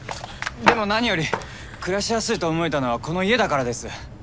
でも何より暮らしやすいと思えたのはこの家だからです。